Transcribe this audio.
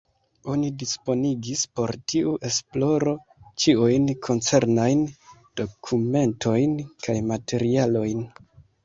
Oni disponigis por tiu esploro ĉiujn koncernajn dokumentojn kaj materialojn.